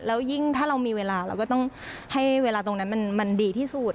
แล้วยิ่งถ้าเรามีเวลาเราก็ต้องให้เวลาตรงนั้นมันดีที่สุด